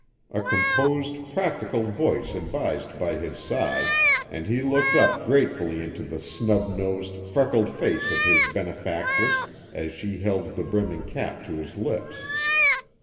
A composed, practical voice advised by his side, and he looked up gratefully into the snub nosed, freckled face of his benefactress as she held the brimming cap to his lips.